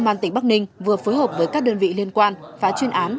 ma túy công an tỉnh bắc ninh vừa phối hợp với các đơn vị liên quan phá chuyên án